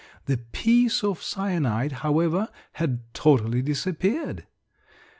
The piece of cyanide, however, had totally disappeared.